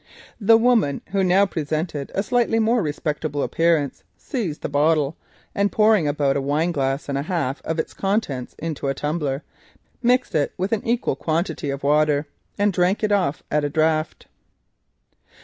The woman, who now presented a slightly more respectable appearance, seized the bottle, and pouring about a wine glass and a half of its contents into a tumbler mixed it with an equal quantity of water and drank it off at a draught.